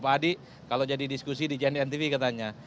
pak adi kalau jadi diskusi di jnn tv katanya